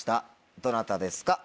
どなたですか？